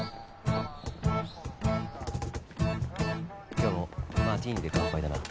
今日もマティーニで乾杯だな。